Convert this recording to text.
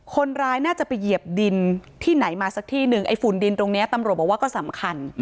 คนร้ายน่าจะไปเหยียบดินที่ไหนมาสักที่หนึ่งไอ้ฝุ่นดินตรงนี้ตำรวจบอกว่าก็สำคัญ